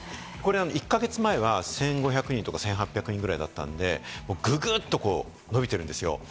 １か月前は１５００人とか１８００人ぐらいだったんで、ぐぐっと伸びてるんですよ。